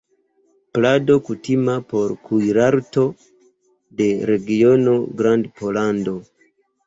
Plado kutima por kuirarto de regiono Grandpollando.